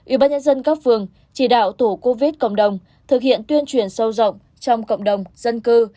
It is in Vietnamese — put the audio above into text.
ủy ban nhân dân các phường chỉ đạo tổ covid cộng đồng thực hiện tuyên truyền sâu rộng trong cộng đồng dân cư